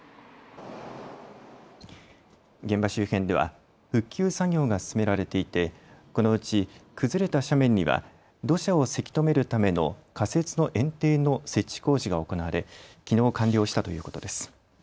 現場周辺では復旧作業が進められていてこのうち崩れた斜面には土砂をせき止めるための仮設のえん堤の設置工事が行われきのう完了したということです。